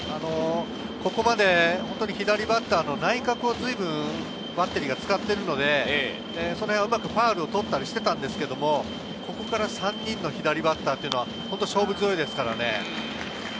ここまで左バッターの内角をずいぶんバッテリーが使っているので、それがうまくファウルを取っていたりしたんですけれど、ここから３人の左バッターは勝負強いですからね。